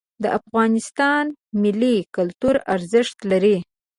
د افغانستان ملي کلتور ارزښت لري.